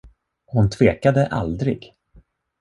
Hon tvekade aldrig.